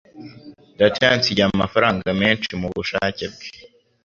Data yansigiye amafaranga menshi mubushake bwe.